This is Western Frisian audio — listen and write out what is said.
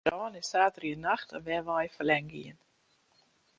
By in brân is saterdeitenacht in wenwein ferlern gien.